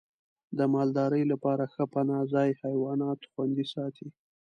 د مالدارۍ لپاره ښه پناه ځای حیوانات خوندي ساتي.